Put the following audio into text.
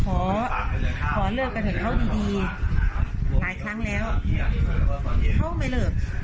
ขอขอเลิกกันเถอะเขาดีหลายครั้งแล้วเขาไม่เลิก